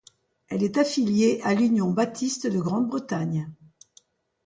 Elle est affiliée à l’Union baptiste de Grande-Bretagne.